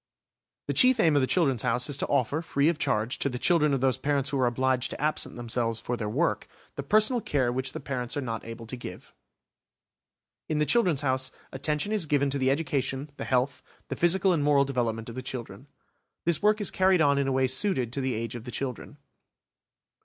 The chief aim of the "Children's House" is to offer, free of charge, to the children of those parents who are obliged to absent themselves for their work, the personal care which the parents are not able to give. In the "Children's House" attention is given to the education, the health, the physical and moral development of the children. This work is carried on in a way suited to the age of the children.